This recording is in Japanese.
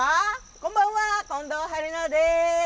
こんばんは、近藤春菜です。